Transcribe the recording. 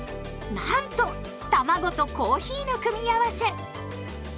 なんとたまごとコーヒーの組み合わせ！